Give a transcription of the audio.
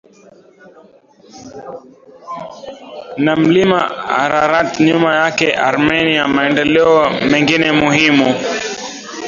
na Mlima Ararat nyuma yake Armenia Maendeleo mengine muhimu